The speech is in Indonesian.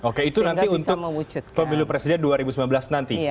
oke itu nanti untuk pemilu presiden dua ribu sembilan belas nanti